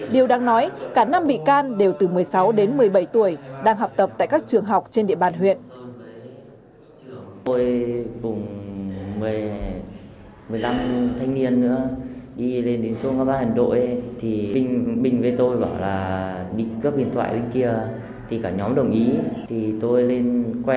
điều đang nói cả năm bị can đều từ một mươi sáu đến một mươi bảy tuổi đang học tập tại các trường học trên địa bàn huyện